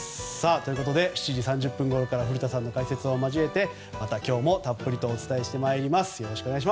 ということで７時３０分ごろから古田さんの解説を交えて今日もたっぷりお伝えします。